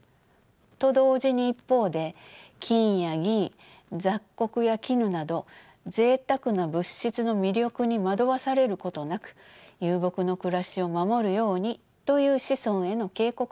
と同時に一方で金や銀雑穀や絹などぜいたくな物質の魅力に惑わされることなく遊牧の暮らしを守るようにという子孫への警告も彫り込まれていました。